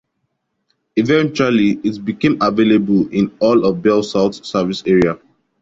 Eventually, it became available in all of BellSouth's service area.